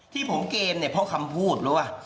ที่ผมเกณฑ์เนี่ยเพราะคำพูดหรือว่า